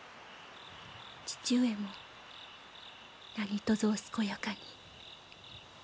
父上も何とぞお健やかに。